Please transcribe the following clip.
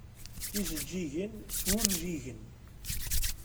Ijeǧǧigen s wunjigen.